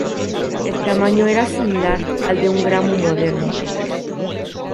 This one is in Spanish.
El tamaño era similar al de un gamo moderno.